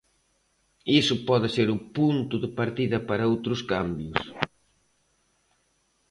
Iso pode ser o punto de partida para outros cambios?